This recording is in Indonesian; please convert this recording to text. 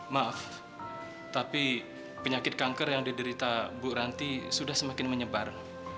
maaf tapi penyakit kanker yang diderita bu ranti sudah semakin menyebar